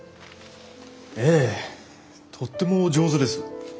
ええとてもお上手です。